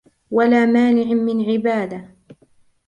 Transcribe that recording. وَلَا مَانِعٍ مِنْ عِبَادَةٍ